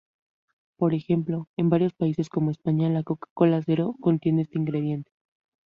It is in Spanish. Por ejemplo, en varios países como España la Coca-Cola Zero contiene este ingrediente.